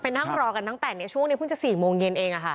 นั่งรอกันตั้งแต่ในช่วงนี้เพิ่งจะ๔โมงเย็นเอง